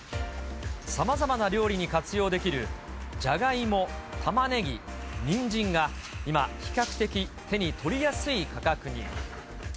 さまざまな料理に活用できるじゃがいも、たまねぎ、にんじんが今、比較的手に取りやすい価格に。